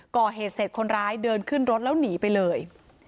ก่อเหตุเสร็จคนร้ายเดินขึ้นรถแล้วหนีไปเลย